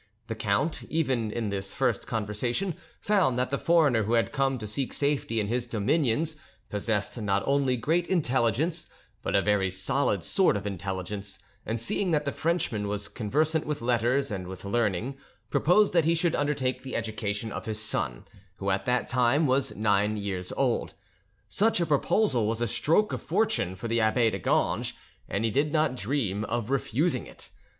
The count, even in this first conversation, found that the foreigner who had come to seek safety in his dominions possessed not only great intelligence but a very solid sort of intelligence, and seeing that the Frenchman was conversant with letters and with learning, proposed that he should undertake the education of his son, who at that time was nine years old. Such a proposal was a stroke of fortune for the abbe de Ganges, and he did not dream of refusing it.